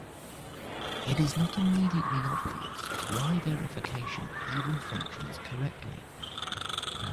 It is not immediately obvious why verification even functions correctly.